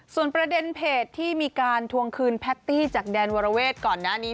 ส่วนประเด็นเพจที่มีการทวงคืนแพตตี้จากแดนวรเวทก่อนหน้านี้